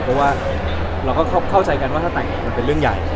เพราะเราเข้าใจว่าถ้าแต่งหน่อยเป็นเรื่องใหญ่